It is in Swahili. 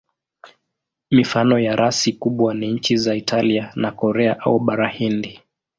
Mifano ya rasi kubwa ni nchi za Italia na Korea au Bara Hindi.